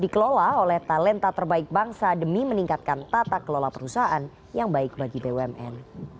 dan dikelola oleh talenta terbaik bangsa demi meningkatkan tata kelola perusahaan yang baik bagi bumn